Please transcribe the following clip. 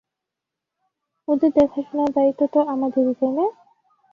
ওদের দেখাশোনার দায়িত্ব তো আমাদেরই, তাই না?